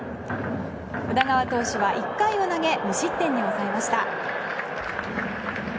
宇田川投手は１回を投げ無失点に抑えました。